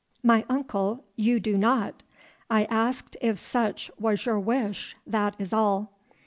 "My uncle, you do not. I asked if such was your wish, that is all."